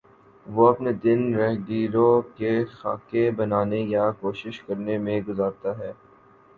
وہ اپنے دن راہگیروں کے خاکے بنانے یا کوشش کرنے میں گزارتا ہے